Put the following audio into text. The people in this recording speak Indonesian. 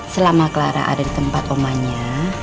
selama clara ada ditempat omanya